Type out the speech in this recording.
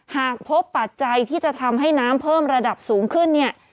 หากพบปัจจัยที่จะทำให้น้ำเพิ่มระดับสูงขึ้นเนี่ย